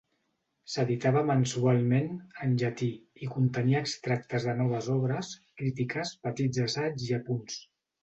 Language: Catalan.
S'editava mensualment, en llatí, i contenia extractes de noves obres, crítiques, petits assaigs i apunts.